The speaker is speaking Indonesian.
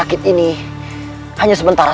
kau tidak akan menang